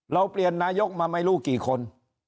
เราเปลี่ยนนายกมาไม่รู้กี่คน